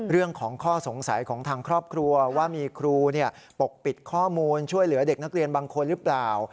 เรื่องของข้อสงสัยของทางครอบครัวว่ามีครูปกปิดข้อมูลช่วยเหลือเด็กนักเรียนบางคนหรือเปล่า